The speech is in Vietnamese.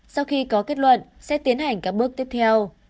sau khi có kết luận sẽ tiến hành các bước tiếp theo